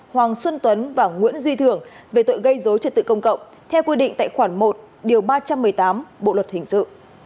hoàng xuân tuấn và nguyễn duy thưởng về tội gây dối trật tự công cộng theo quy định tại khoản một điều ba trăm một mươi tám bộ luật hình sự